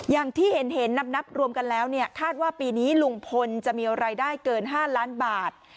อย่างที่เห็นนับรวมกันแล้วเนี่ยคาดว่าปีนี้ลุงพลจะมีรายได้เกิน๕ล้านบาท